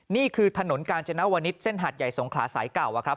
นี่คือถนนกาญจนวนิษฐ์เส้นหาดใหญ่สงขลาสายเก่าอะครับ